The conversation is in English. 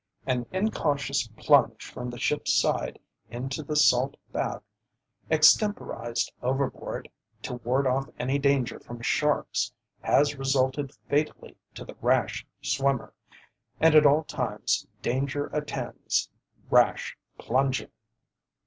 An incautious plunge from the ship's side into the sail bath extemporized overboard to ward off any danger from sharks has resulted fatally to the rash swimmer, and at all times danger attends rash plunging.